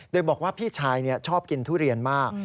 โดยบอกว่าพี่ชายชอบกินทุเรียนมาก